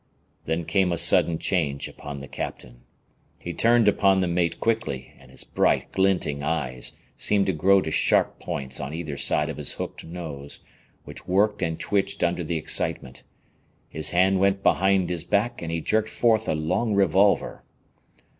Then came a sudden change upon the captain. He turned upon the mate quickly, and his bright, glinting eyes seemed to grow to sharp points on either side of his hooked nose, which worked and twitched under the excitement. His hand went behind his back and he jerked forth a long revolver.